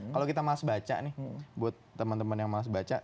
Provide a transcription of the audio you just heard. kalau kita males baca nih buat teman teman yang males baca